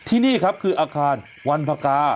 ที่นี่ครับคืออาคารวันพกา